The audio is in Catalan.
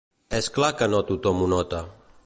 És clar que no tothom ho nota.